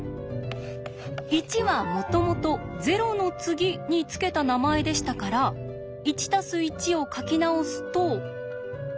「１」はもともと「０の次」に付けた名前でしたから「１＋１」を書き直すと。